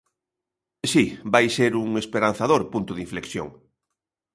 Si, vai ser un esperanzador punto de inflexión.